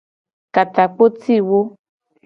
Ka takpo ci wo.